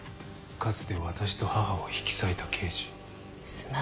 かつて私と母を引き裂いた刑事。